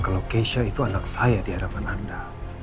anak saya di hadapan anda